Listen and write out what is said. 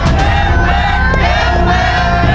เท่าไหร่